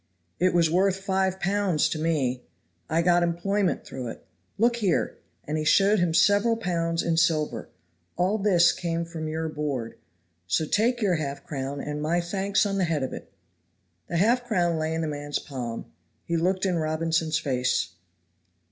"It was worth five pounds to me. I got employment through it. Look here," and he showed him several pounds in silver; "all this came from your board; so take your half crown and my thanks on the head of it." The half crown lay in the man's palm; he looked in Robinson's face.